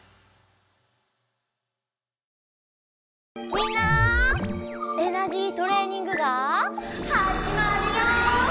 みんなエナジートレーニングがはじまるよ！